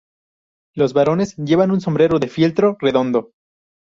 Los varones llevan un sombrero de fieltro redondo.